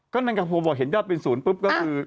ก็นังกับพ่อบอกเห็นยอดเป็น๐ปุ๊บก็คือ